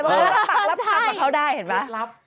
เพราะว่ารับคำและเขาได้เห็นปะ